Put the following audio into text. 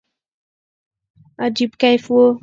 عجيب کيف وو.